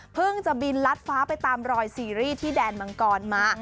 จะบินลัดฟ้าไปตามรอยซีรีส์ที่แดนมังกรมา